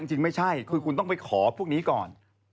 จริงไม่ใช่คือคุณต้องไปขอพวกนี้ก่อน